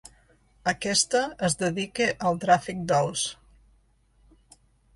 Aquesta es dedica al tràfic d'ous.